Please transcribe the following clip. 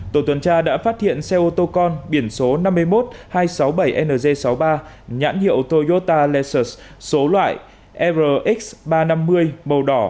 tổ tuần tra đã phát hiện xe ô tô con biển số năm mươi một hai trăm sáu mươi bảy nz sáu mươi ba nhãn hiệu toyota laser số loại rx ba trăm năm mươi màu đỏ